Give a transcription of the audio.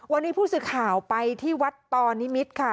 วันนี้ผู้สื่อข่าวไปที่วัดต่อนิมิตรค่ะ